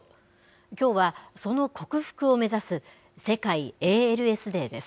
きょうは、その克服を目指す世界ＡＬＳデーです。